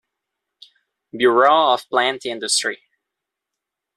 Bureau of plant industry.